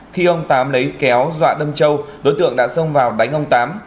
khi ông tám lấy kéo dọa đâm châu đối tượng đã xông vào đánh ông tám